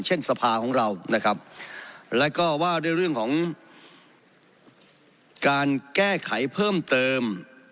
สภาของเรานะครับแล้วก็ว่าด้วยเรื่องของการแก้ไขเพิ่มเติม